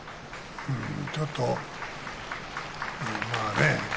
ちょっと、まあね